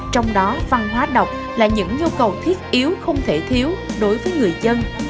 trong đó văn hóa đọc là những nhu cầu thiết yếu không thể thiếu đối với người dân